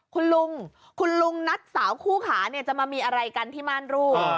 คุณลุงคุณลุงนัดสาวคู่ขาเนี่ยจะมามีอะไรกันที่ม่านรูด